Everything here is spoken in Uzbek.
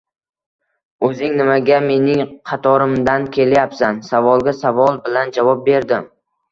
Oʻzing nimaga mening qatorimdan kelyapsan? – savolga savol bilan javob berdim.